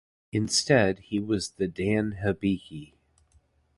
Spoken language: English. Instead, he was the Dan Hibiki.